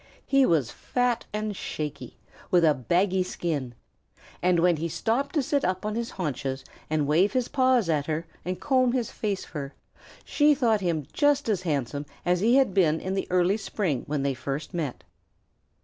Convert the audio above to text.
He was fat and shaky, with a baggy skin, and when he stopped to sit up on his haunches and wave his paws at her and comb his face fur, she thought him just as handsome as he had been in the early spring when they first met.